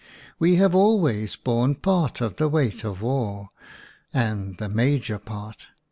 We have always borne part of the weight of war, and the major part.